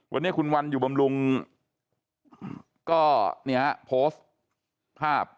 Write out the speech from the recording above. วันนี้คุณวันอยู่บำรุงก็โพสต์ภาพ